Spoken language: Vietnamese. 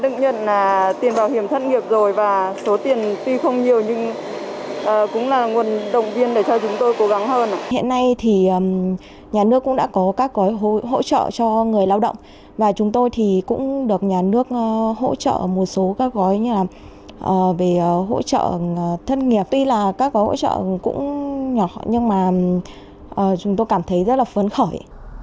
chị thảo cũng nhỏ nhưng mà chúng tôi cảm thấy rất là phấn khởi